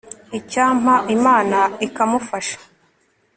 icyampa imana ikamufasha